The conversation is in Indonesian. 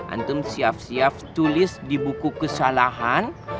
antum siap siap tulis di buku kesalahan